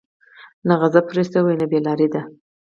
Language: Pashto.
نه غضب پرې شوى او نه بې لاري دي.